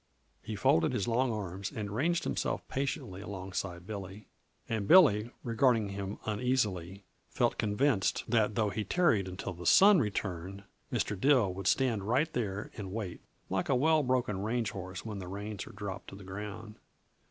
He folded his long arms and ranged himself patiently alongside Billy. And Billy, regarding him uneasily, felt convinced that though he tarried until the sun returned Mr. Dill would stand right there and wait like a well broken range horse when the reins are dropped to the ground.